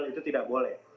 double itu tidak boleh